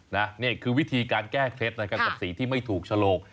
นี่คือวิธีการแก้เคล็ดนะครับกับสีที่ไม่ถูกฉลก